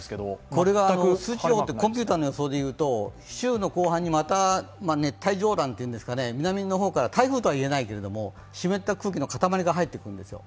これがコンピュータの予想でいうと、週の後半にまた熱帯擾乱というんですかね、南の方から台風とはいえないけれども湿った空気のかたまりが入ってくるんですよ。